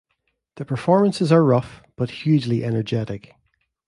The performances are rough, but hugely energetic.